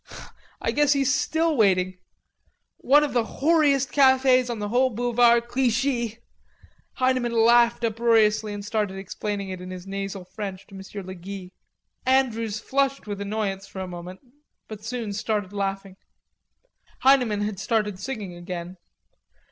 I guess he's still waiting. One of the whoreiest cafes on the whole Boulevard Clichy." Heineman laughed uproariously and started explaining it in nasal French to M. le Guy. Andrews flushed with annoyance for a moment, but soon started laughing. Heineman had started singing again.